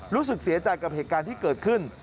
รู้สึกเสียใจกับเหตุการณ์ที่เกิดขึ้น